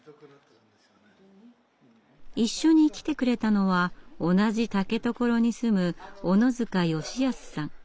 一緒に来てくれたのは同じ竹所に住む小野塚良康さん。